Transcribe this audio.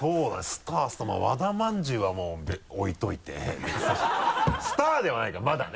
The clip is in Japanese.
スタースターまぁ和田まんじゅうは置いといてスターではないからまだね。